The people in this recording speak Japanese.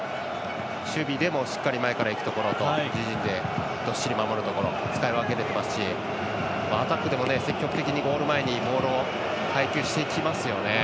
守備でもしっかり前からいくところと自陣でどっしり守るところ使い分けてきますしアタックでも積極的にゴール前にボールを配球していきますよね。